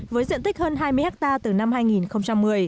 với diện tích hơn hai mươi hectare từ năm hai nghìn một mươi